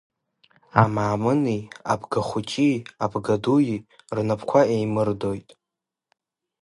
Амаамыни, Абгахәыҷи, Абгадуи рнапқәа еимырдоит.